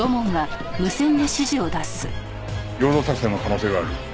陽動作戦の可能性がある。